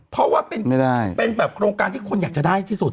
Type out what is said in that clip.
เพราะว่าเป็นแบบโครงการที่คนอยากจะได้ที่สุด